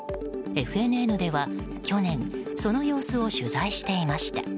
ＦＮＮでは去年その様子を取材していました。